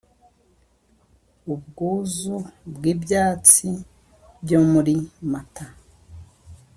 ubwuzu bw'ibyatsi byo muri mata,